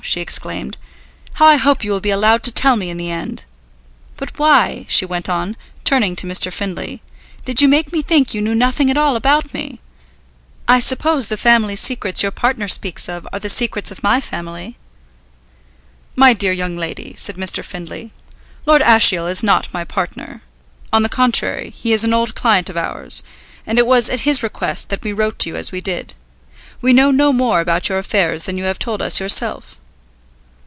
she exclaimed. "How I hope you will be allowed to tell me in the end! But why," she went on, turning to Mr. Findlay, "did you make me think you knew nothing at all about me. I suppose the family secrets your partner speaks of are the secrets of my family?" "My dear young lady," said Mr. Findlay, "Lord Ashiel is not my partner. On the contrary, he is an old client of ours, and it was at his request that we wrote to you as we did. We know no more about your affairs than you have told us yourself."